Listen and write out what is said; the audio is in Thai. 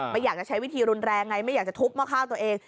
ไม่อยากจะใช้วิธีรุนแรงไงไม่อยากจะทุบหม้อข้าวตัวเอง